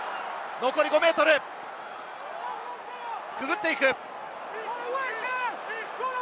残り５ｍ、くぐっていく！